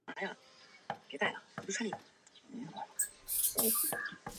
埃尔利海滩是大堡礁观光的门户之一。